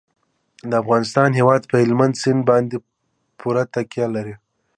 د افغانستان هیواد په هلمند سیند باندې پوره تکیه لري.